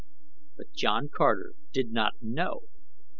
But John Carter did not know!